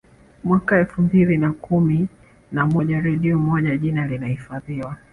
Mwaka elfu mbili na kumi na moja redio moja jina linahifadhiwa